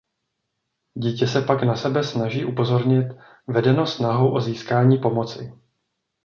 Dítě se pak na sebe snaží upozornit vedeno snahou o získání pomoci.